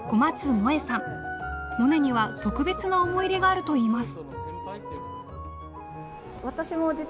「モネ」には特別な思い入れがあるといいます。